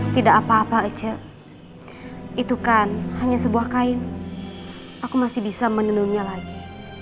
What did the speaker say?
tidak apa apa ece itu kan hanya sebuah kain aku masih bisa menenunnya lagi